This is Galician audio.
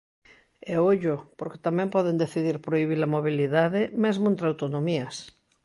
E ollo, porque tamén poden decidir prohibir a mobilidade, mesmo entre autonomías.